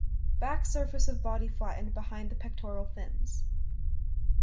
Back surface of body flattened behind the pectoral fins.